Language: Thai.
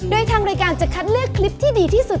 โดยทางรายการจะคัดเลือกคลิปที่ดีที่สุด